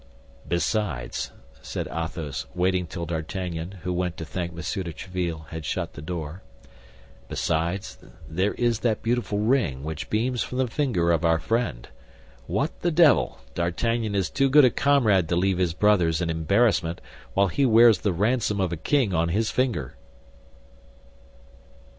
"Besides," said Athos, waiting till D'Artagnan, who went to thank Monsieur de Tréville, had shut the door, "besides, there is that beautiful ring which beams from the finger of our friend. What the devil! D'Artagnan is too good a comrade to leave his brothers in embarrassment while he wears the ransom of a king on his finger."